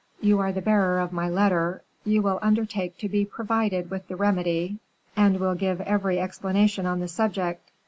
You are the bearer of my letter, you will undertake to be provided with the remedy, and will give every explanation on the subject.